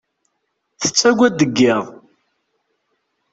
Tettagad deg yiḍ.